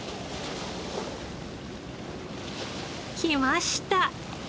きました！